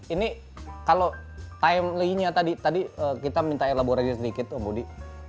ini kalau timelinenya tadi tadi kita minta elaborasi sedikit om budi